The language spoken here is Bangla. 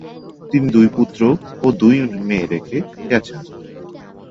তিনি দুই পুত্র ও দুই মেয়ে রেখে গেছেন।